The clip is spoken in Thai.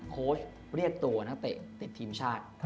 โค้ชเรียกตัวถ้าเป็นทีมชาติ